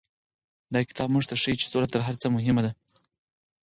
دا کتاب موږ ته ښيي چې سوله تر هر څه مهمه ده.